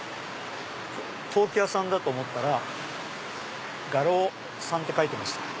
陶器屋さんだと思ったら画廊さんって書いてました。